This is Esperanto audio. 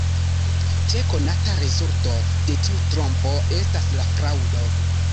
Tre konata rezulto de tiu trompo estas la fraŭdo.